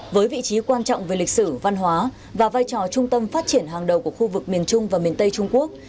với vị trí quan trọng về lịch sử văn hóa và vai trò trung tâm phát triển hàng đầu của khu vực miền trung và miền tây trung quốc